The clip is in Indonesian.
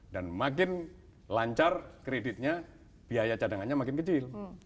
dan makin lancar kreditnya biaya cadangannya makin kecil